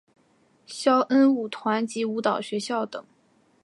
萧恩舞团及舞蹈学校等。